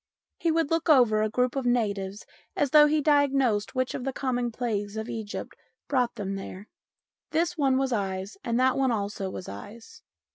He would look over a group of natives as though he diagnosed which of the common plagues of Egypt brought them there. This one was eyes and that one also was eyes.